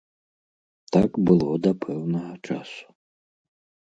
Так было да пэўнага часу.